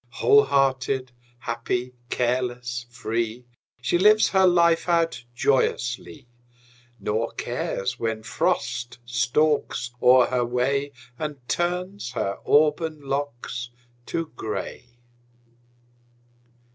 Whole hearted, happy, careless, free, She lives her life out joyously, Nor cares when Frost stalks o'er her way And turns her auburn locks to gray.